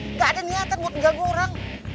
nggak ada niatan buat jago orang